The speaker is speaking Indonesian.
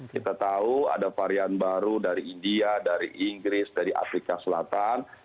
kita tahu ada varian baru dari india dari inggris dari afrika selatan